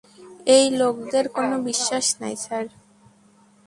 এই লোাকদের কোন বিশ্বাস নাই, স্যার।